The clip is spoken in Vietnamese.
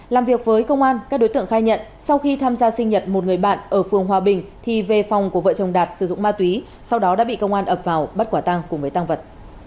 làm việc với công an các đối tượng khai nhận sau khi tham gia sinh nhật một người bạn ở phương hòa bình thì về phòng của vợ chồng đạt sử dụng ma túy sau đó đã bị công an ập vào bắt quả tăng cùng với tăng vật